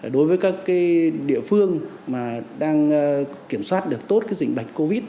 đối với các địa phương đang kiểm soát được tốt dịch bệnh covid một mươi chín